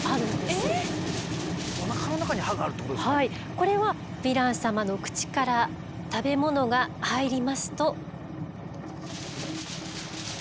これはヴィラン様の口から食べ物が入りますと。